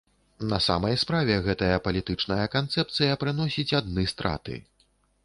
На самай справе, гэтая палітычная канцэпцыя прыносіць адны страты.